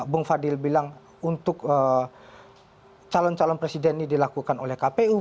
bung fadil bilang untuk calon calon presiden ini dilakukan oleh kpu